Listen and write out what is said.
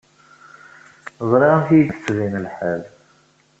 Ẓriɣ amek i k-d-yettbin lḥal.